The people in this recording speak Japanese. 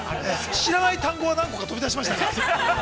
知らない単語が何個か飛び出しましたから。